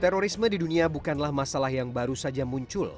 terorisme di dunia bukanlah masalah yang baru saja muncul